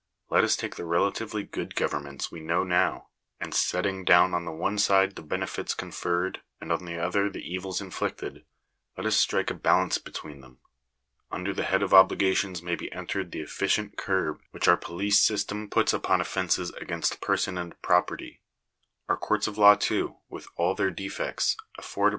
Let us take the relatively good governments we now know, and setting down on the one side the benefits conferred, and on the other the evils inflicted, let us strike a balance between them. Under the head of obligations may be entered the efficient curb which our police system puts upon offences against person and pro perty ; our courts of law, too, with all their defects, afford a Digitized by VjOOQIC 266 THE DUTY OF THE 8TATE.